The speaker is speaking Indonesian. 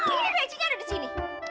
ini racingnya ada di sini